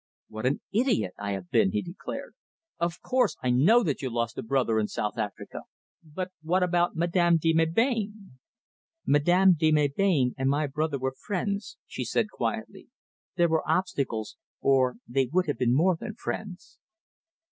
"What an idiot I have been!" he declared. "Of course, I know that you lost a brother in South Africa. But but what about Madame de Melbain?" "Madame de Melbain and my brother were friends," she said quietly. "There were obstacles or they would have been more than friends."